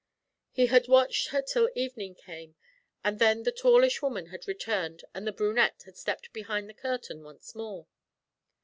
He had watched her till evening came, and then the tallish woman had returned and the brunette had stepped behind the curtain once more.